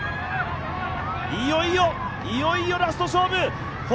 いよいよ、いよいよラスト勝負。